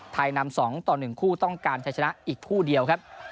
นำ๒ต่อ๑คู่ต้องการใช้ชนะอีกคู่เดียวครับ